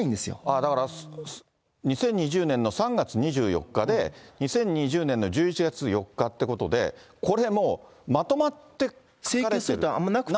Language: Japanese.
だから２０２０年の３月２４日で、２０２０年の１１月４日ということで、これもう、請求するってあんまりなくて。